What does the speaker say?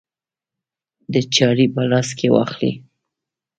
د چارې په لاس کې واخلي.